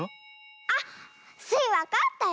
あっスイわかったよ！